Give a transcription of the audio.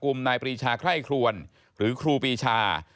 กลุ่มนายปรีชาไคร่ครวลหรือครูปรีชา